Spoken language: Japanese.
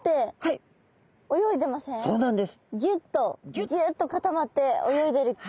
ギュッとギュッと固まって泳いでる。